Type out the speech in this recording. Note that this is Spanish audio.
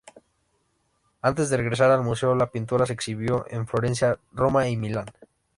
Antes de regresar al museo, la pintura se exhibió en Florencia, Roma y Milán.